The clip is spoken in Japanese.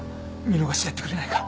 見逃してやってくれないか？